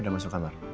udah masuk kamar